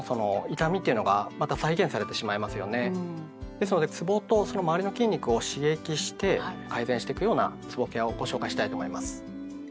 ですのでつぼとその周りの筋肉を刺激して改善していくようなつぼケアをご紹介したいと思います。